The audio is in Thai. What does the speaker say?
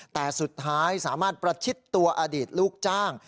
แต่สุดท้ายสามารถประชิดตัวอดีตลูกจ้าง